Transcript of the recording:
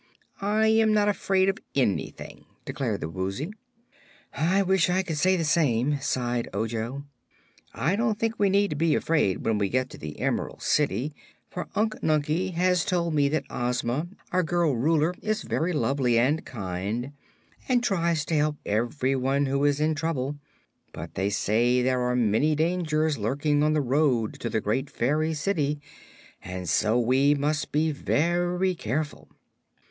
I am not afraid of anything," declared the Woozy. "I wish I could say the same," sighed Ojo. "I don't think we need be afraid when we get to the Emerald City, for Unc Nunkie has told me that Ozma, our girl Ruler, is very lovely and kind, and tries to help everyone who is in trouble. But they say there are many dangers lurking on the road to the great Fairy City, and so we must be very careful."